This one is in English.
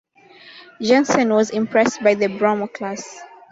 Jansen was impressed by the "Bromo" class.